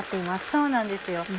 そうなんですよ。